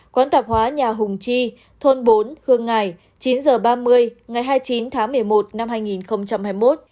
quán tạp hóa nhà hùng chi thôn bốn khương ngài chín h ba mươi ngày hai mươi chín tháng một mươi một năm hai nghìn hai mươi một